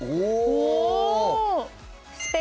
お！